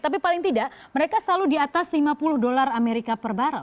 tapi paling tidak mereka selalu di atas lima puluh dolar amerika per barrel